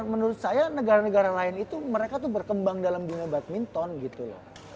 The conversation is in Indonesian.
menurut saya negara negara lain itu mereka tuh berkembang dalam dunia badminton gitu loh